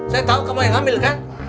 saya tahu kamu yang hamil kan